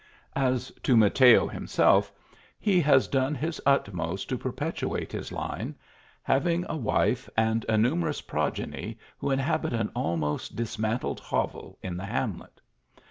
As to Mateo himself, he has done his utmost to perpetuate his line; having a wife, and a numerous progeny who inhabit an almost dismantled hovel in the hamlet.